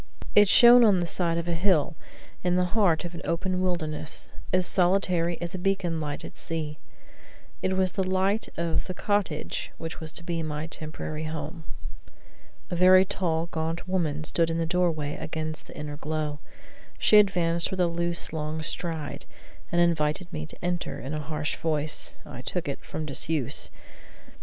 It shone on the side of a hill in the heart of an open wilderness as solitary as a beacon light at sea. It was the light of the cottage which was to be my temporary home. A very tall, gaunt woman stood in the doorway against the inner glow. She advanced with a loose, long stride, and invited me to enter in a voice harsh (I took it) from disuse.